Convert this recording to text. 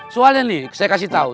soalnya nih saya kasih tahu